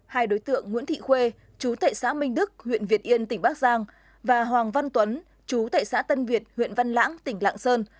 hai đối tượng nguyễn thị khuê chú thệ xã minh đức huyện việt yên tỉnh bắc giang và hoàng văn tuấn chú tại xã tân việt huyện văn lãng tỉnh lạng sơn